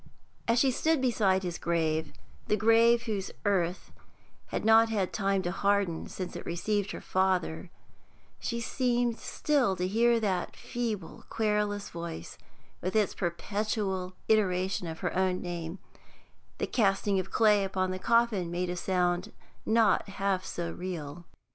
As she stood beside the grave the grave whose earth had not had time to harden since it received her father she seemed still to hear that feeble, querulous voice, with its perpetual iteration of her own name; the casting of clay upon the coffin made a sound not half so real.